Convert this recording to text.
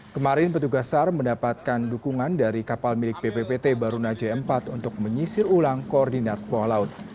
kemarin petugas sar mendapatkan dukungan dari kapal milik bppt barunajaya empat untuk menyisir ulang koordinat bawah laut